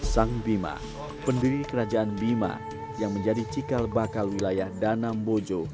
sang bima pendiri kerajaan bima yang menjadi cikal bakal wilayah danam bojo